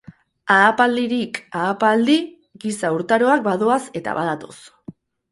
Ahapaldirik ahapaldi giza urtaroak badoaz eta badatoz.